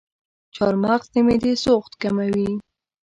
چارمغز د معدې سوخت کموي.